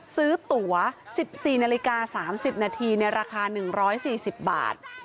ตั๋ว๑๔นาฬิกา๓๐นาทีในราคา๑๔๐บาท